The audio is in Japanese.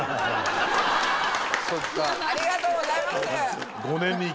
ありがとうございます。